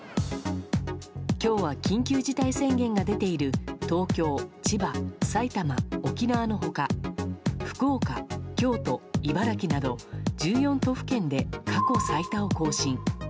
今日は緊急事態宣言が出ている東京、千葉、埼玉、沖縄の他福岡、京都、茨城など１４都府県で過去最多を更新。